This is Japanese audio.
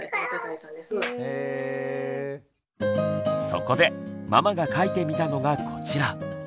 そこでママが描いてみたのがこちら。